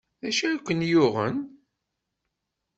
D acu ay ken-yuɣen?